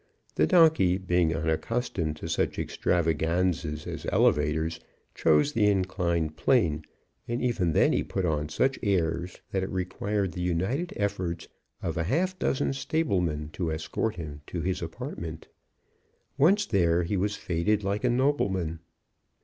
The donkey being unaccustomed to such extravaganzas as elevators, chose the inclined plane, and even then he put on such airs that it required the united efforts of a half dozen stablemen to escort him to his apartment. Once there, he was feted like a nobleman.